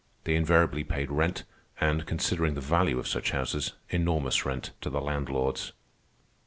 They invariably paid rent, and, considering the value of such houses, enormous rent, to the landlords.